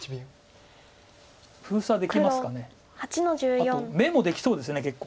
あと眼もできそうです結構。